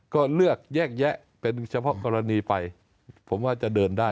ก็เลือกแยกแยะเป็นเฉพาะกรณีไปผมว่าจะเดินได้